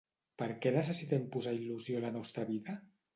Perquè necessitem posar il·lusió a la nostra vida?